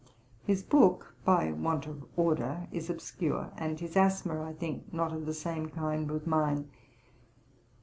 His book by want of order is obscure, and his asthma, I think, not of the same kind with mine.